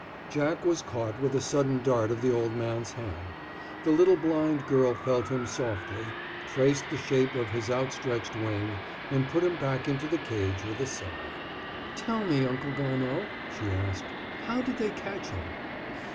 Jack was caught with a sudden dart of the old man's hand; the little blind girl felt him softly, traced the shape of his outstretched wing, and put him back into the cage with a sigh. "Tell me, Uncle Garnaud," she asked, "how did they catch him?"